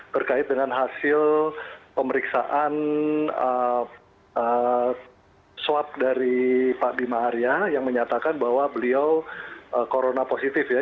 terkait dengan hasil pemeriksaan swab dari pak bima arya yang menyatakan bahwa beliau corona positif ya